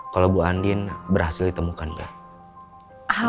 kalau bu andin berhasil ditemukan nggak